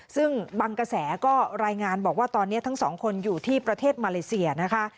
ซึ่งบางกระแสก็รายงานบอกว่าตอนนี้ทั้งสองคนอยู่ที่ประเทศมาเลเซียนะคะ